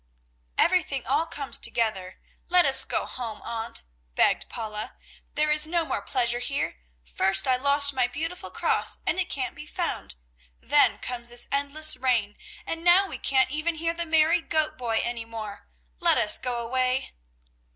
"Everything all comes together; let us go home, Aunt," begged Paula, "there is no more pleasure here. First I lost my beautiful cross, and it can't be found; then comes this endless rain, and now we can't ever hear the merry goat boy any more. Let us go away!"